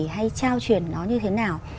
hay trao truyền nó như thế nào